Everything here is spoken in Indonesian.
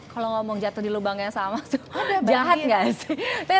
kalau ngomong jatuh di lubang yang sama udah jahat gak sih